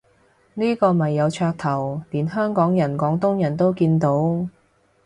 呢個咪有噱頭，連香港人廣東人都見到